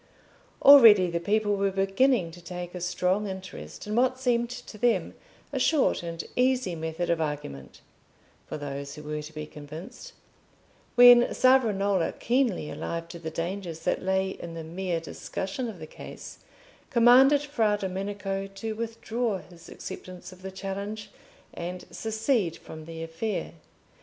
Already the people were beginning to take a strong interest in what seemed to them a short and easy method of argument (for those who were to be convinced), when Savonarola, keenly alive to the dangers that lay in the mere discussion of the case, commanded Fra Domenico to withdraw his acceptance of the challenge and secede from the affair.